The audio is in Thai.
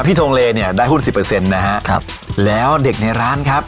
ทงเลเนี่ยได้หุ้นสิบเปอร์เซ็นต์นะฮะครับแล้วเด็กในร้านครับ